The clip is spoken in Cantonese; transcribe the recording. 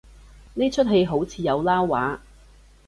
呢齣戲好似有撈話